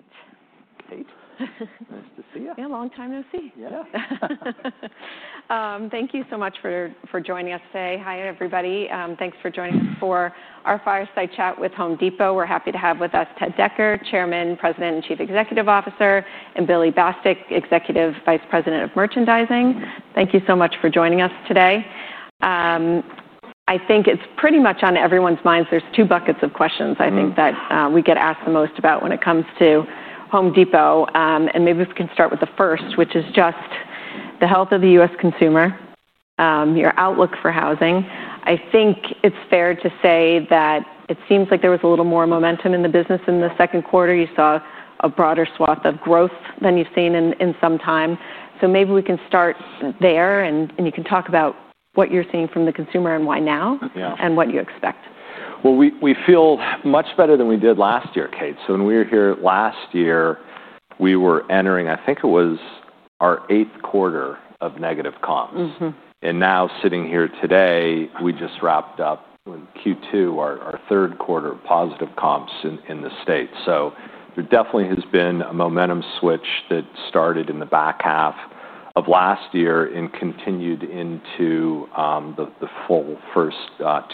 Morning. Morning. All right. Kate, nice to see you. Yeah, long time no see. Yeah. Thank you so much for joining us today. Hi, everybody. Thanks for joining us for our fireside chat with Home Depot. We're happy to have with us Ted Decker, Chairman, President, and Chief Executive Officer, and Billy Bastek, Executive Vice President of Merchandising. Thank you so much for joining us today. I think it's pretty much on everyone's minds, there's two buckets of questions I think that we get asked the most about when it comes to Home Depot. Maybe we can start with the first, which is just the health of the U.S. consumer, your outlook for housing. I think it's fair to say that it seems like there was a little more momentum in the business in the second quarter. You saw a broader swath of growth than you've seen in some time. Maybe we can start there, and you can talk about what you're seeing from the consumer and why now, and what you expect. Yeah. We feel much better than we did last year, Kate. When we were here last year, we were entering, I think it was our eighth quarter of negative comps. Now sitting here today, we just wrapped up in Q2, our third quarter of positive comps in the state. There definitely has been a momentum switch that started in the back half of last year, and continued into the full first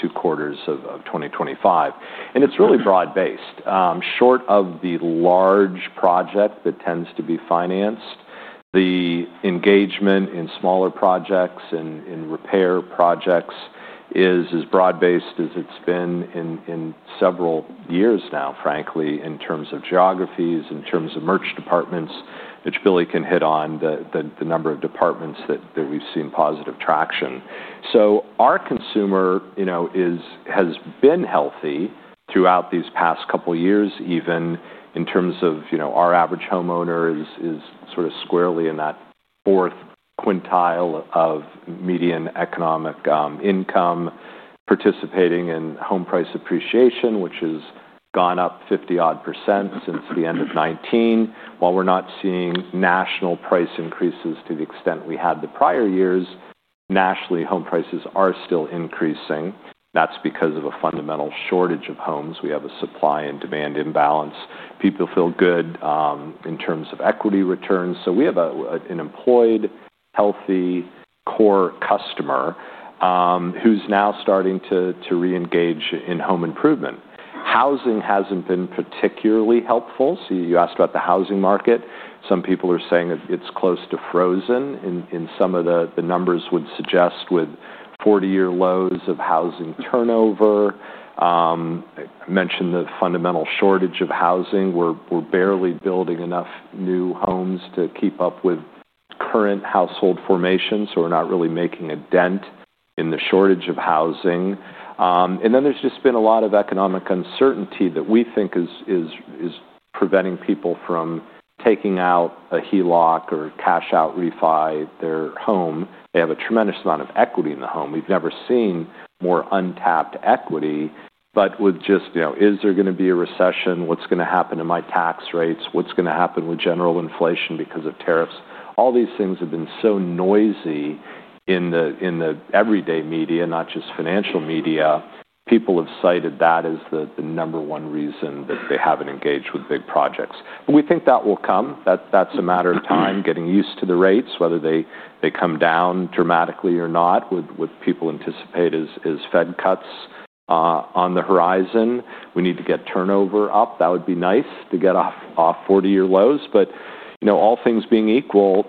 two quarters of 2025. It's really broad-based, short of the large project that tends to be financed. The engagement in smaller projects and repair projects is as broad-based as it's been in several years now frankly, in terms of geographies, in terms of merch departments, which Billy can hit on the number of departments that we've seen positive traction. Our consumer has been healthy throughout these past couple of years, even in terms of, our average homeowner is sort of squarely in that fourth quintile of median economic income participating in home price appreciation, which has gone up 50-odd% since the end of 2019. While we're not seeing national price increases to the extent we had the prior years, nationally home prices are still increasing. That's because of a fundamental shortage of homes. We have a supply and demand imbalance. People feel good in terms of equity returns. We have an employed, healthy core customer, who's now starting to re-engage in home improvement. Housing hasn't been particularly helpful. You asked about the housing market. Some people are saying it's close to frozen in some of the numbers would suggest, with 40-year lows of housing turnover. I mentioned the fundamental shortage of housing. We're barely building enough new homes to keep up with current household formation, so we're not really making a dent in the shortage of housing. There's just been a lot of economic uncertainty that we think is preventing people from taking out a HELOC or cash-out refi their home. They have a tremendous amount of equity in the home. We've never seen more untapped equity, but is there going to be a recession? What's going to happen to my tax rates? What's going to happen with general inflation because of tariffs? All these things have been so noisy in the everyday media, not just financial media. People have cited that as the number one reason that they haven't engaged with big projects, but we think that will come. That's a matter of time, getting used to the rates, whether they come down dramatically or not. What people anticipate is Fed cuts on the horizon. We need to get turnover up. That would be nice, to get off 40-year lows. All things being equal,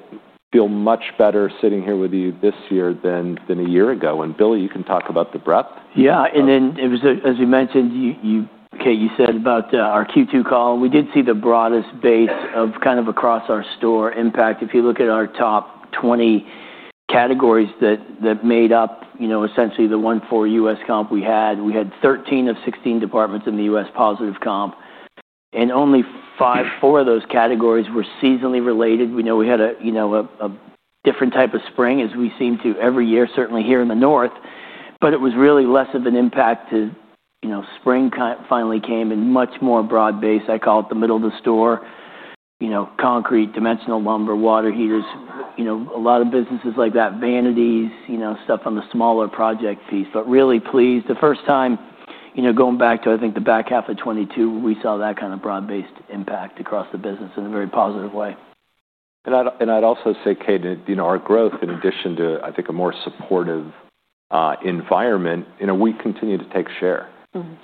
I feel much better sitting here with you this year than a year ago. Billy, you can talk about the breadth. Yeah. As you mentioned, Kate, you said about our Q2 call. We did see the broadest base across our store impact. If you look at our top 20 categories that made up, essentially the one for U.S. comp we had, we had 13 of 16 departments in the U.S. positive comp. Only four of those categories were seasonally related. We know we had a different type of spring, as we seem to every year, certainly here in the North. It was really less of an impact to, spring finally came in much more broad-based. I call it the middle of the store, concrete, dimensional lumber, water heaters, a lot of businesses like that, vanities, stuff on the smaller project piece. Really pleased, the first time, going back to I think the back half of 2022, we saw that broad-based impact across the business in a very positive way. I'd also say, Kate, our growth, in addition to I think a more supportive environment, we continue to take share.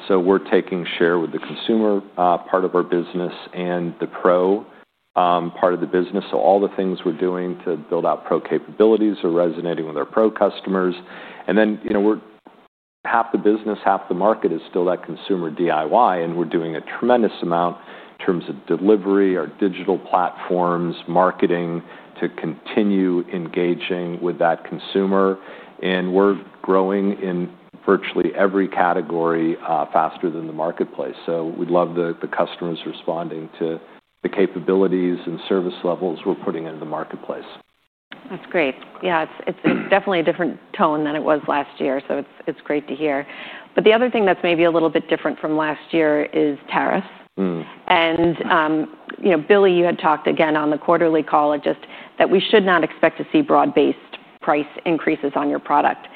We're taking share with the consumer part of our business and the Pro part of the business. All the things we're doing to build out Pro capabilities are resonating with our Pro customers. Half the business, half the market is still that consumer DIY. We're doing a tremendous amount in terms of delivery, our digital platforms, marketing to continue engaging with that consumer. We're growing in virtually every category, faster than the marketplace, so we'd love the customers responding to the capabilities and service levels we're putting into the marketplace. That's great, yeah. It's definitely a different tone than it was last year, so it's great to hear. The other thing that's maybe a little bit different from last year is tariffs. Billy, you had talked again on the quarterly call, of just that we should not expect to see broad-based price increases on your product.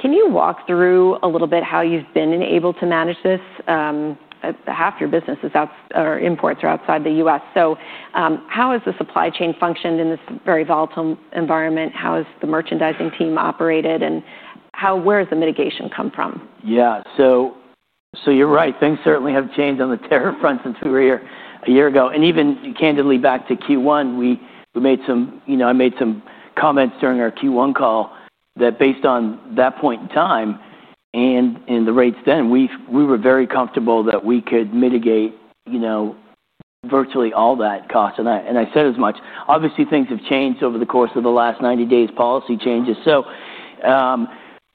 Can you walk through a little bit how you've been able to manage this? Half your business is, or imports are outside the U.S., so how has the supply chain functioned in this very volatile environment? How has the merchandising team operated? Where has the mitigation come from? Yeah, so you're right. Things certainly have changed on the tariff front since we were here a year ago. Even candidly back to Q1, I made some comments during our Q1 call, that based on that point in time and the rates then, we were very comfortable that we could mitigate virtually all that cost and I said as much. Obviously, things have changed over the course of the last 90 days, policy changes.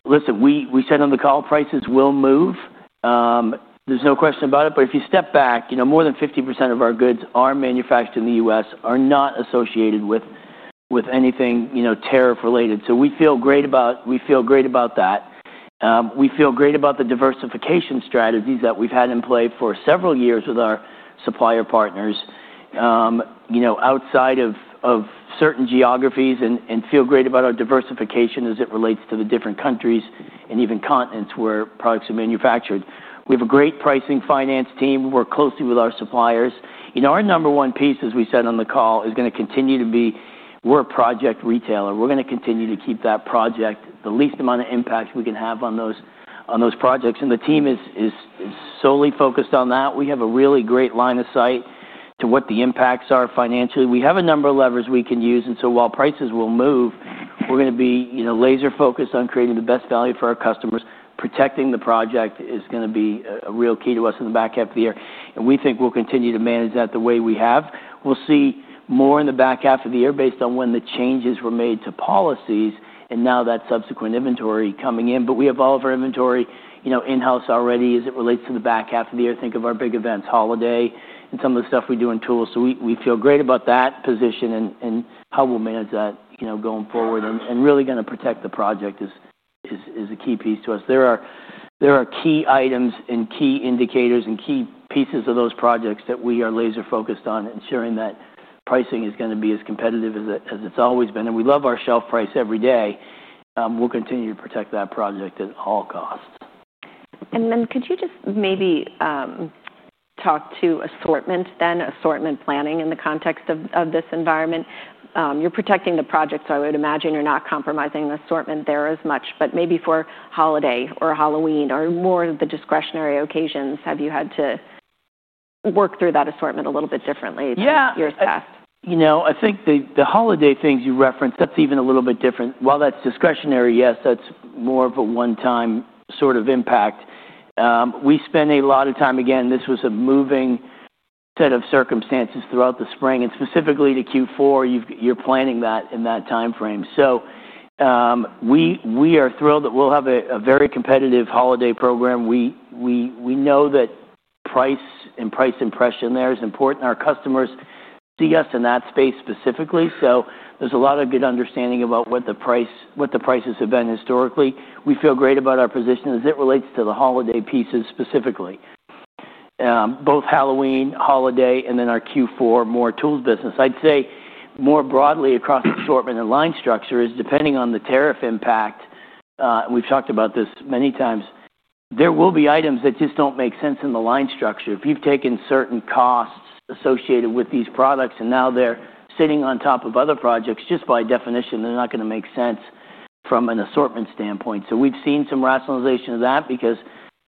Listen, we said on the call, prices will move. There's no question about it, but if you step back, more than 50% of our goods are manufactured in the U.S., are not associated with anything tariff-related. We feel great about that. We feel great about the diversification strategies that we've had in play for several years with our supplier partners, outside of certain geographies and feel great about our diversification as it relates to the different countries, and even continents where products are manufactured. We have a great pricing finance team. We work closely with our suppliers. Our number one piece, as we said on the call, is going to continue to be, we're a project retailer. We're going to continue to keep that project, the least amount of impact we can have on those projects. The team is solely focused on that. We have a really great line of sight to what the impacts are financially. We have a number of levers we can use. While prices will move, we're going to be laser-focused on creating the best value for our customers. Protecting the price is going to be a real key to us in the back half of the year, and we think we'll continue to manage that the way we have. We'll see more in the back half of the year, based on when the changes were made to policies and now that subsequent inventory coming in. We have all of our inventory in-house already as it relates to the back half of the year. Think of our big events, holiday, and some of the stuff we do in tools. We feel great about that position and how we'll manage that going forward, and really going to protect the project is a key piece to us. There are key items and key indicators, and key pieces of those projects that we are laser-focused on, ensuring that pricing is going to be as competitive as it's always been. We love our shelf price every day. We'll continue to protect that project at all costs. Could you just maybe talk to assortment then, assortment planning in the context of this environment? You're protecting the project, so I would imagine you're not compromising the assortment there as much. Maybe for holiday or Halloween or more of the discretionary occasions, have you had to work through that assortment a little bit differently years past? Yeah. I think the holiday things you referenced, that's even a little bit different. While that's discretionary, yes, that's more of a one-time impact. Again, this was a moving set of circumstances throughout the spring. Specifically to Q4, you're planning that in that timeframe. We are thrilled that we'll have a very competitive holiday program. We know that price and price impression there is important. Our customers see us in that space specifically, so there's a lot of good understanding about what the prices have been historically. We feel great about our position as it relates to the holiday pieces specifically, both Halloween, holiday, and then our Q4 more tools business. I'd say more broadly, across assortment and line structure, is depending on the tariff impact, we've talked about this many times, there will be items that just don't make sense in the line structure. If you've taken certain costs associated with these products and now they're sitting on top of other projects, just by definition, they're not going to make sense from an assortment standpoint. We've seen some rationalization of that because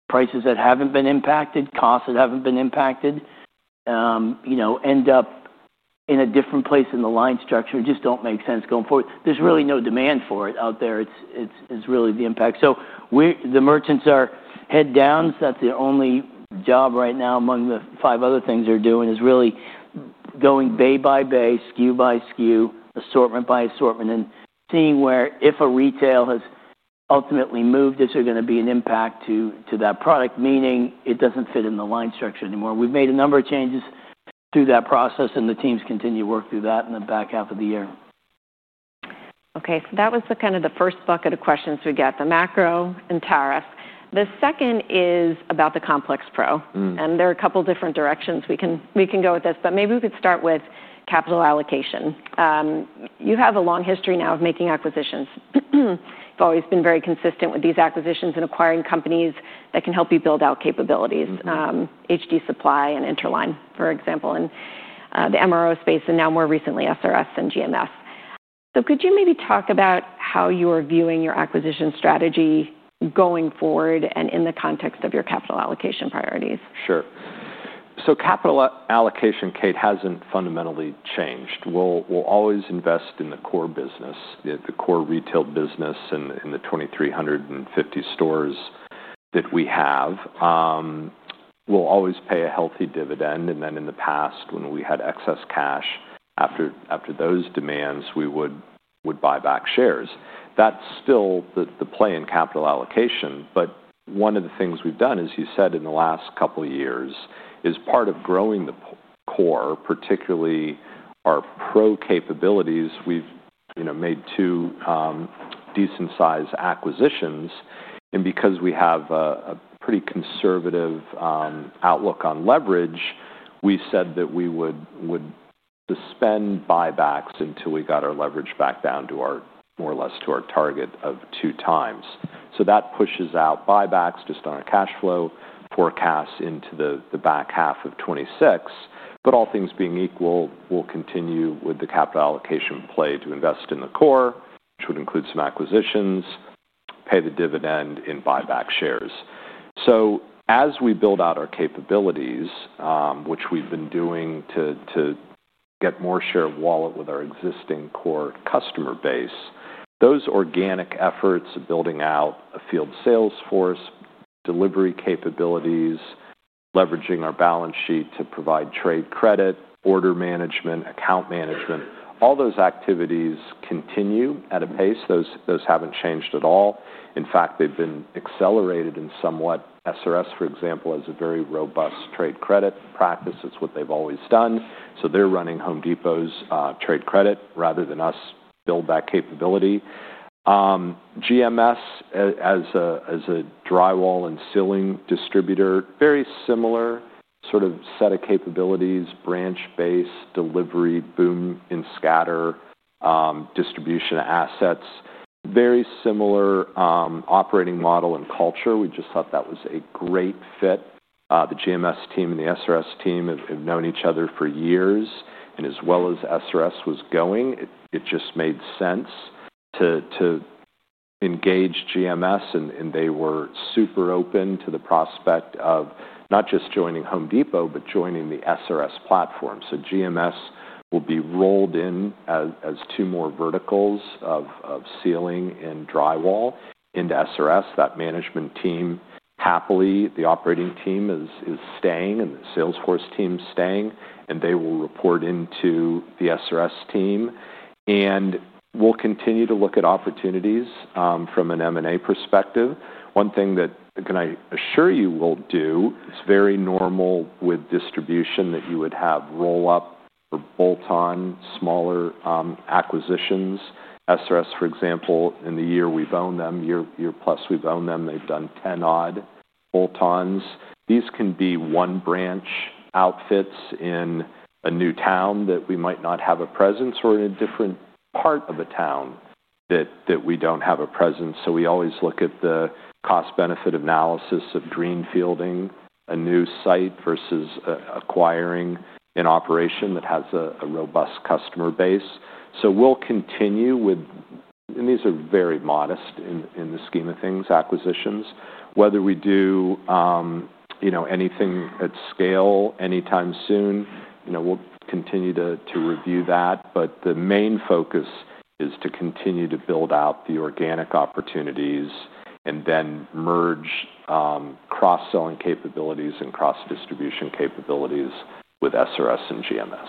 prices that haven't been impacted, costs that haven't been impacted, end up in a different place in the line structure, just don't make sense going forward. There's really no demand for it out there. It's really the impact, so the merchants are heads down. That's the only job right now among the five other things they're doing, is really going bay by bay, SKU by SKU, assortment by assortment, and seeing, if a retail has ultimately moved, is there going to be an impact to that product? Meaning, it doesn't fit in the line structure anymore. We've made a number of changes through that process, and the teams continue to work through that in the back half of the year. Okay. That was the first bucket of questions we get, the macro and tariffs. The second is about the complex Pro. There are a couple of different directions we can go with this, but maybe we could start with capital allocation. You have a long history now of making acquisitions. You've always been very consistent with these acquisitions, and acquiring companies that can help you build out capabilities, HD Supply and Interline, for example, and the MRO space, and now more recently SRS and GMS. Could you maybe talk about how you are viewing your acquisition strategy going forward, and in the context of your capital allocation priorities? Sure. Capital allocation, Kate, hasn't fundamentally changed. We'll always invest in the core business, the core retail business in the 2,350 stores that we have. We'll always pay a healthy dividend. In the past, when we had excess cash after those demands, we would buy back shares. That's still the play in capital allocation. One of the things we've done, as you said in the last couple of years, is part of growing the core, particularly our Pro capabilities, we've made two decent-sized acquisitions, and because we have a pretty conservative outlook on leverage, we said that we would suspend buybacks until we got our leverage back down to more or less to our target of two times. That pushes out buybacks just on our cash flow forecast into the back half of 2026. All things being equal, we'll continue with the capital allocation play to invest in the core, which would include some acquisitions, pay the dividend, and buy back shares. As we build out our capabilities, which we've been doing to get more share of wallet with our existing core customer base, those organic efforts of building out a field sales force, delivery capabilities, leveraging our balance sheet to provide trade credit, order management, account management, all those activities continue at a pace. Those haven't changed at all. In fact, they've been accelerated somewhat. SRS, for example, has a very robust trade credit practice. It's what they've always done. They're running Home Depot's trade credit rather than us build that capability. GMS, as a drywall and ceiling distributor, very similar sort of set of capabilities, branch-based delivery, boom and scatter, distribution assets, very similar operating model and culture. We just thought that was a great fit. The GMS team and the SRS team have known each other for years, as well as SRS was going, it just made sense to engage GMS. They were super open to the prospect of not just joining Home Depot, but joining the SRS platform. GMS will be rolled in, as two more verticals of ceiling and drywall, into SRS. That management team, happily, the operating team is staying and the sales force team's staying, and they will report into the SRS team. We'll continue to look at opportunities from an M&A perspective. One thing that I can assure you we'll do, it's very normal with distribution that you would have roll-up or bolt-on smaller acquisitions. SRS, for example, in the year we've owned them, year plus, they've done 10-odd bolt-ons. These can be one-branch outfits in a new town that we might not have a presence, or in a different part of a town that we don't have a presence. We always look at the cost-benefit analysis of greenfielding a new site versus acquiring an operation that has a robust customer base. These are very modest in the scheme of things, acquisitions. Whether we do anything at scale anytime soon, we'll continue to review that. The main focus is to continue to build out the organic opportunities and then merge, cross-selling capabilities and cross-distribution capabilities with SRS and GMS.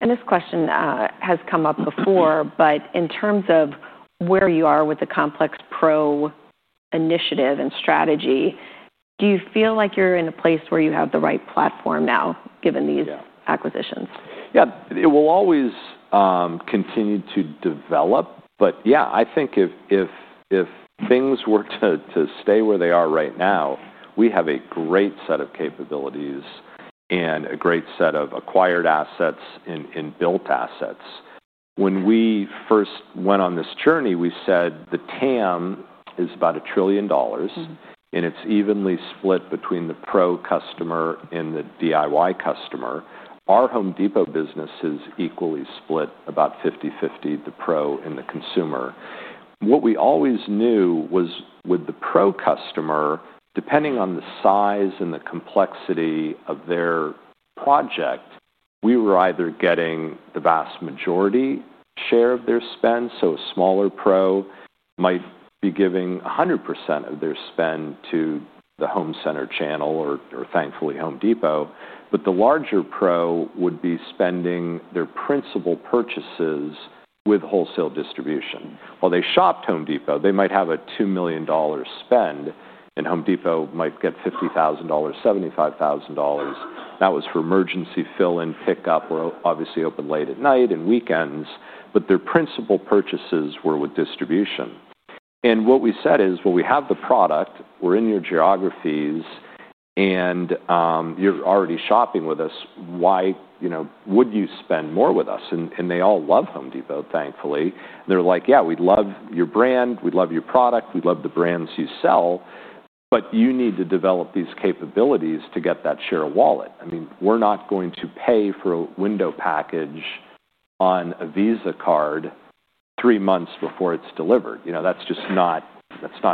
This question has come up before, but in terms of where you are with the complex Pro initiative and strategy, do you feel like you're in a place where you have the right platform now, given these acquisitions? Yeah. It will always continue to develop, but I think if things were to stay where they are right now, we have a great set of capabilities and a great set of acquired assets and built assets. When we first went on this journey, we said the TAM is about $1 trillion, and it's evenly split between the Pro customer and the DIY customer. Our Home Depot business is equally split about 50-50, the Pro and the consumer. What we always knew was, with the Pro customer, depending on the size and the complexity of their project, we were either getting the vast majority share of their spend. A smaller Pro might be giving 100% of their spend to the home center channel or thankfully Home Depot, but the larger Pro would be spending their principal purchases with wholesale distribution. While they shopped Home Depot, they might have a $2 million spend, and Home Depot might get $50,000, $75,000. That was for emergency fill-in, pickup. We're obviously open late at night and weekends, but their principal purchases were with distribution. What we said is, "We have the product. We're in your geographies, and you're already shopping with us. Why would you spend more with us?" They all love Home Depot, thankfully. They're like, "Yeah, we'd love your brand. We'd love your product. We'd love the brands you sell, but you need to develop these capabilities to get that share of wallet. We're not going to pay for a window package on a Visa card three months before it's delivered." That's just not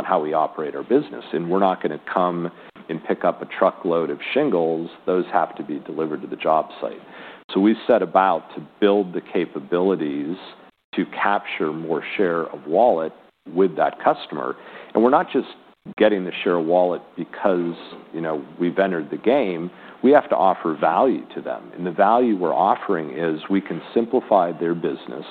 how we operate our business. We're not going to come and pick up a truckload of shingles. Those have to be delivered to the job site, so we set about to build the capabilities to capture more share of wallet with that customer. We're not just getting the share of wallet because we've entered the game. We have to offer value to them. The value we're offering is, we can simplify their business.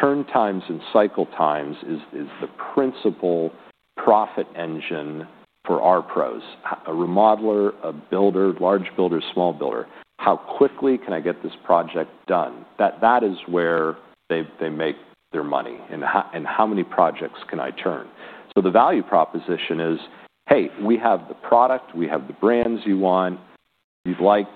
Turn times and cycle times is the principal profit engine for our pros, a remodeler, a builder, large builder, small builder. How quickly can I get this project done? That is where they make their money. How many projects can I turn? The value proposition is, "Hey, we have the product. We have the brands you want. You'd like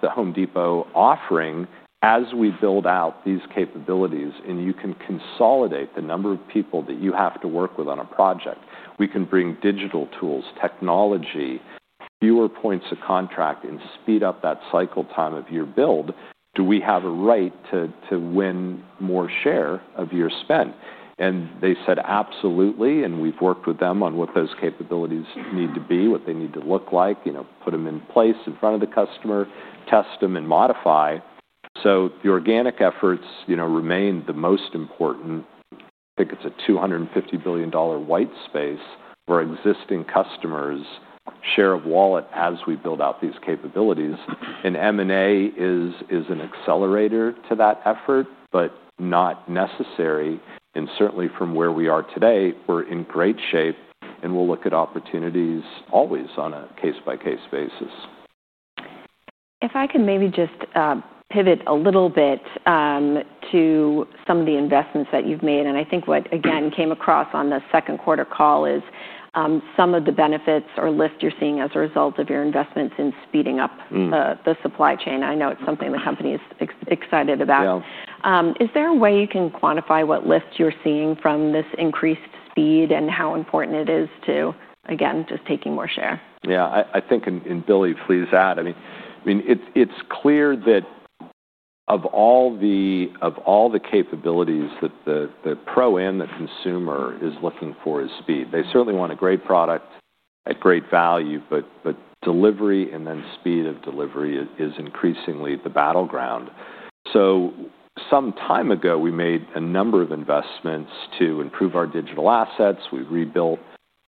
the Home Depot offering as we build out these capabilities. You can consolidate the number of people that you have to work with on a project. We can bring digital tools, technology, fewer points of contract, and speed up that cycle time of your build. Do we have a right to win more share of your spend?" They said, "Absolutely." We've worked with them on what those capabilities need to be, what they need to look like, put them in place in front of the customer, test them, and modify. The organic efforts remain the most important. I think it's a $250 billion white space for existing customers' share of wallet as we build out these capabilities. M&A is an accelerator to that effort, but not necessary. Certainly from where we are today, we're in great shape and we'll look at opportunities always on a case-by-case basis. If I can maybe just pivot a little bit to some of the investments that you've made, and I think what again came across on the second quarter call is, some of the benefits or lifts you're seeing as a result of your investments in speeding up the supply chain. I know it's something the company is excited about. Yeah. Is there a way you can quantify what lifts you're seeing from this increased speed, and how important it is to again just taking more share? Yeah, and Billy, please add. It's clear that of all the capabilities that the Pro and the consumer is looking for is speed. They certainly want a great product, a great value, but delivery and then speed of delivery is increasingly the battleground. Some time ago, we made a number of investments to improve our digital assets. We rebuilt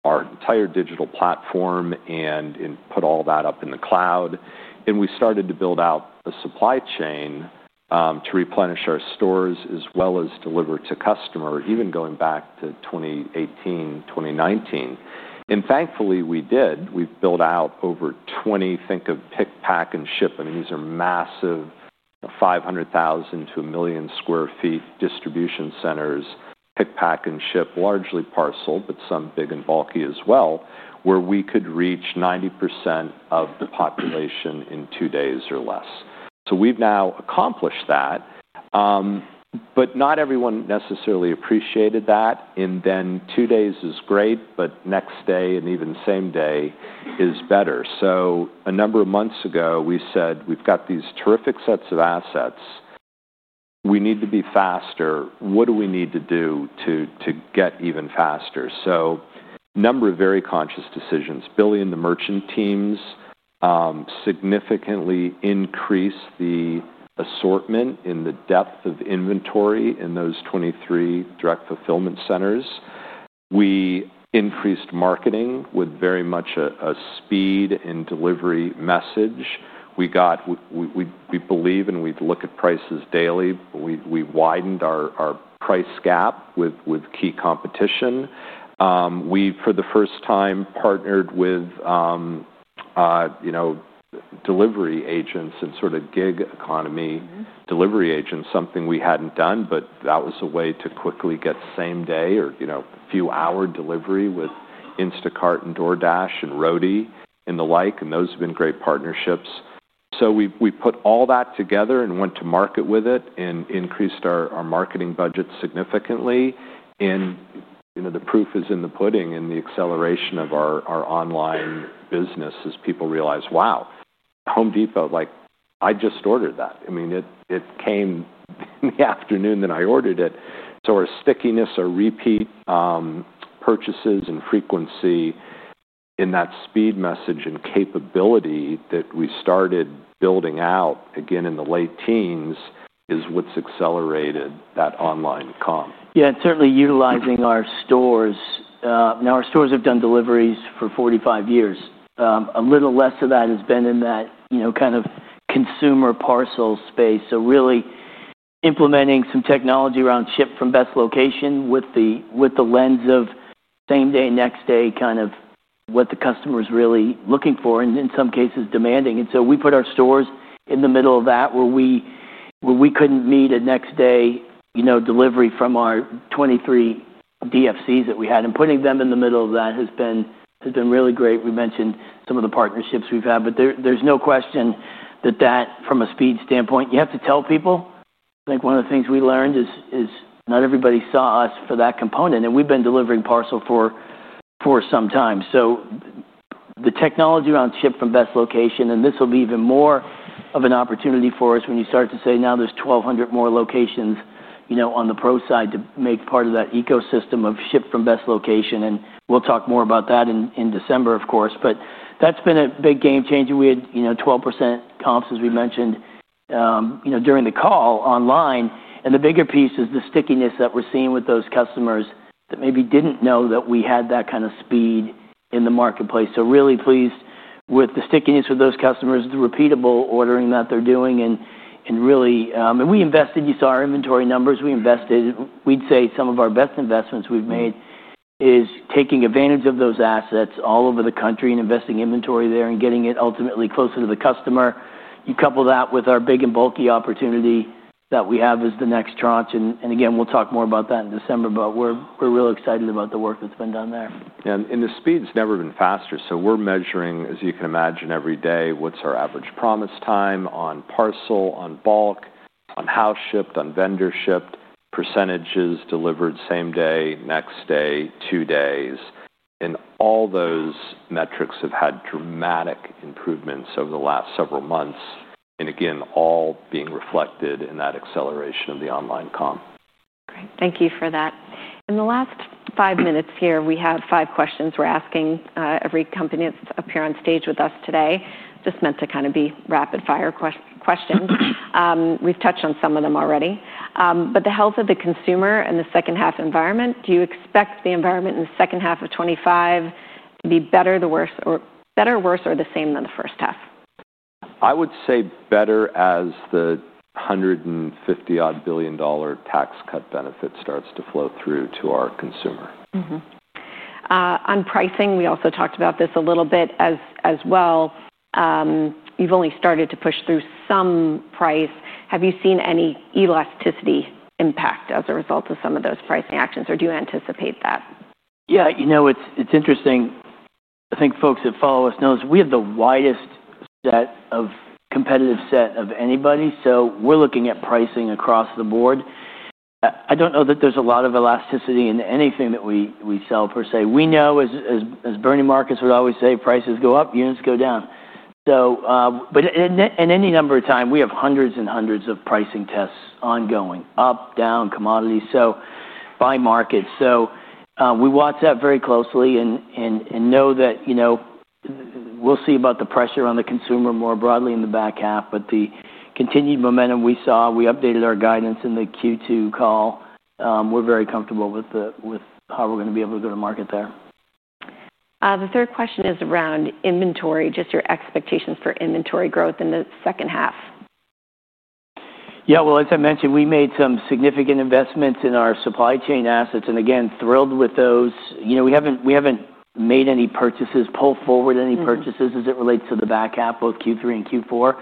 our entire digital platform and put all that up in the cloud. We started to build out the supply chain to replenish our stores as well as deliver to customer, even going back to 2018, 2019. Thankfully, we did. We've built out over 20, think of pick, pack, and ship. These are massive, 500,000-1 million sq ft distribution centers, pick, pack, and ship, largely parcel, but some big and bulky as well, where we could reach 90% of the population in two days or less. We've now accomplished that, but not everyone necessarily appreciated that. Two days is great, but next day and even same day is better. A number of months ago, we said, "We've got these terrific sets of assets. We need to be faster. What do we need to do to get even faster?" A number of very conscious decisions. Billy and the merchant teams significantly increased the assortment, and the depth of inventory in those 23 direct fulfillment centers. We increased marketing with very much a speed and delivery message. We believe and we look at prices daily, we widened our price gap with key competition. We, for the first time, partnered with delivery agents and gig economy delivery agents, something we hadn't done, but that was a way to quickly get same-day or few-hour delivery with Instacart and DoorDash, and Roadie and the like. Those have been great partnerships, so we put all that together and went to market with it and increased our marketing budget significantly. The proof is in the pudding, and the acceleration of our online business as people realize, "Wow, Home Depot, like, I just ordered that. It came in the afternoon that I ordered it. "Our stickiness, our repeat purchases and frequency in that speed message, and capability that we started building out again in the late teens, is what's accelerated that online comp. Yeah, and certainly utilizing our stores. Now our stores have done deliveries for 45 years. A little less of that has been in that kind of consumer parcel space. Really implementing some technology around ship from best location, with the lens of same-day, next-day, what the customer's really looking for and in some cases demanding. We put our stores in the middle of that, where we couldn't meet a next-day delivery from our 23 DFCs that we had. Putting them in the middle of that has been really great. We mentioned some of the partnerships we've had. There's no question that, from a speed standpoint, you have to tell people. I think one of the things we learned is, not everybody saw us for that component. We've been delivering parcel for some time. This will be even more of an opportunity for us when you start to say, "Now there's 1,200 more locations on the Pro side to make part of that ecosystem of ship from best location." We'll talk more about that in December of course. That's been a big game changer. We had 12% comps, as we mentioned during the call online. The bigger piece is the stickiness that we're seeing with those customers, that maybe didn't know that we had that kind of speed in the marketplace. Really pleased with the stickiness with those customers, the repeatable ordering that they're doing. Really, we invested. You saw our inventory numbers. We invested. We'd say some of our best investments we've made is taking advantage of those assets all over the country, and investing inventory there and getting it ultimately closer to the customer. You couple that with our big and bulky opportunity that we have as the next tranche. Again, we'll talk more about that in December, but we're really excited about the work that's been done there. Yeah, and the speed's never been faster. We're measuring, as you can imagine, every day, what's our average promise time on parcel, on bulk, on house shipped, on vendor shipped, percentages delivered same-day, next-day, two days? All those metrics have had dramatic improvements over the last several months. Again, all being reflected in that acceleration of the online comp. Great, thank you for that. In the last five minutes here, we have five questions we're asking every company that's up here on stage with us today. Just meant to be rapid-fire questions. We've touched on some of them already. The health of the consumer and the second-half environment, do you expect the environment in the second half of 2025 to be better, worse, or the same than the first half? I would say better as the $150-odd billion tax cut benefit starts to flow through to our consumer. On pricing, we also talked about this a little bit as well. You've only started to push through some price. Have you seen any elasticity impact as a result of some of those pricing actions, or do you anticipate that? Yeah, it's interesting. I think folks that follow us know, we have the widest set of competitive set of anybody, so we're looking at pricing across the board. I don't know that there's a lot of elasticity in anything that we sell per se. We know, as Bernie Marcus would always say, "Prices go up, units go down." In any number of time, we have hundreds and hundreds of pricing tests ongoing, up, down, commodities, by market. We watch that very closely, and know that we'll see about the pressure on the consumer more broadly in the back half. The continued momentum we saw, we updated our guidance in the Q2 call. We're very comfortable with how we're going to be able to go to market there. The third question is around inventory, just your expectations for inventory growth in the second half. Yeah. As I mentioned, we made some significant investments in our supply chain assets and again, thrilled with those. We haven't made any purchases, pulled forward any purchases as it relates to the back half, both Q3 and Q4.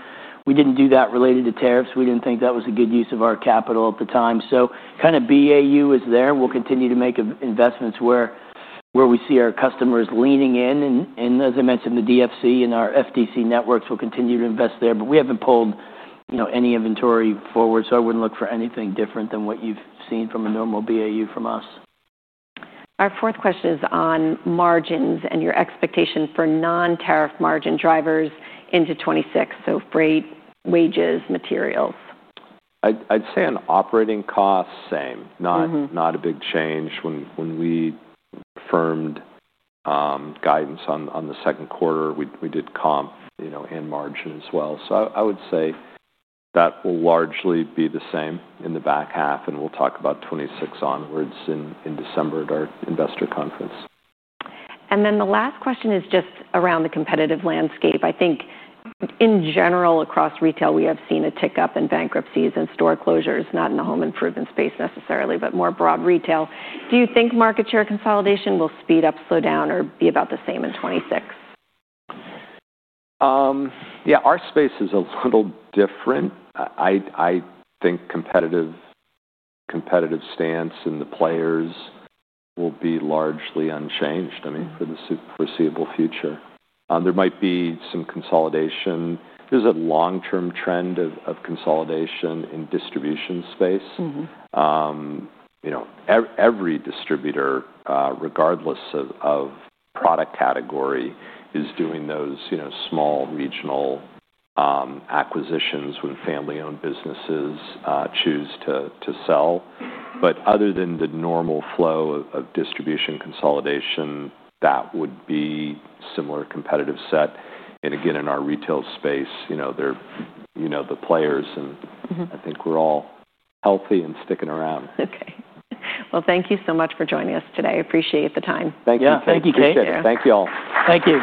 We didn't do that related to tariffs. We didn't think that was a good use of our capital at the time, so BAU is there. We'll continue to make investments where we see our customers leaning in. As I mentioned, the DFC and our FDC networks will continue to invest there, but we haven't pulled any inventory forward. I wouldn't look for anything different than what you've seen from a normal BAU from us. Our fourth question is on margins and your expectation for non-tariff margin drivers into 2026, so freight, wages, materials. I'd say on operating costs, same. Not a big change. When we firmed guidance on the second quarter, we did comp and margin as well. I would say that will largely be the same in the back half, and we'll talk about 2026 onwards in December at our investor conference. The last question is just around the competitive landscape. I think in general, across retail, we have seen a tick up in bankruptcies and store closures, not in the home improvement space necessarily, but more broad retail. Do you think market share consolidation will speed up, slow down, or be about the same in 2026? Yeah, our space is a little different. I think competitive stance and the players will be largely unchanged for the foreseeable future. There might be some consolidation. There's a long-term trend of consolidation in distribution space. Every distributor, regardless of product category, is doing those small regional acquisitions when family-owned businesses choose to sell. Other than the normal flow of distribution consolidation, that would be a similar competitive set. Again, in our retail space, they're the players. I think we're all healthy and sticking around. Okay. Thank you so much for joining us today. I appreciate the time. Thank you. Yeah. Thank you, Kate. Take care. Thank you all. Thank you.